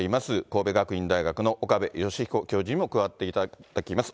神戸学院大学の岡部芳彦教授にも加わっていただきます。